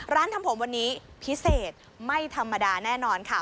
ทำผมวันนี้พิเศษไม่ธรรมดาแน่นอนค่ะ